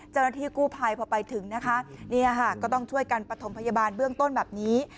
เจ้าหน้าที่กู้ภัยพอไปถึงนะคะก็ต้องช่วยกันประถมพยาบาลเบื้องต้นแบบนี้